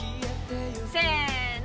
せの！